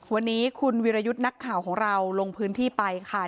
วันนี้คุณวิรยุทธ์นักข่าวของเราลงพื้นที่ไปค่ะ